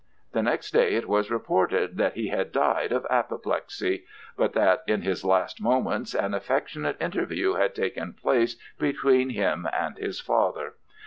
The next day it was reported that he had died of apoplexy, but that in his last moments an affectionate interview had taken place between him and his father.